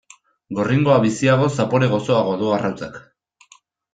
Gorringoa biziago, zapore gozoagoa du arrautzak.